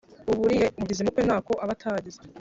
Uburiye umubyizi mu kwe ntako aba atagize.